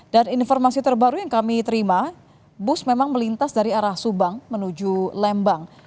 dan informasi terbaru yang kami terima bus memang melintas dari arah subang menuju lembang